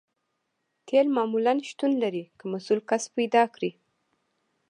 تیل معمولاً شتون لري که مسؤل کس پیدا کړئ